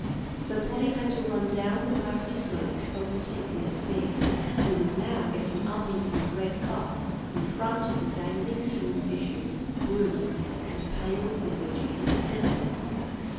So Polly had to run down the grassy slope to overtake Mr. Biggs, who was now getting up into his red cart, in front of the dangling tin dishes, brooms, and pails with which it was filled.